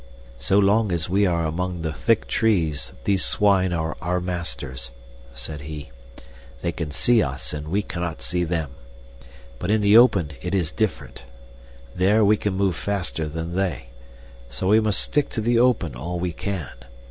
"So long as we are among the thick trees these swine are our masters," said he. "They can see us and we cannot see them. But in the open it is different. There we can move faster than they. So we must stick to the open all we can.